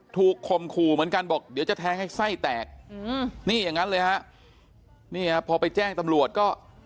ข่มขู่เหมือนกันบอกเดี๋ยวจะแทงให้ไส้แตกอืมนี่อย่างนั้นเลยฮะนี่ฮะพอไปแจ้งตำรวจก็